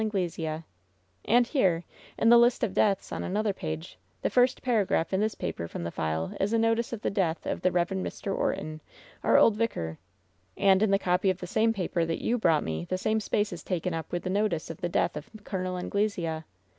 Anglesea ! And here ! In the list of deaths on another page, the first paragraph in this paper from the file is a notice of the death of the Eev. Mr. Orton, our old vicar; and in the copy of the same paper that you brought me the same space is taken up with the notice of the death of Col. Anglesea.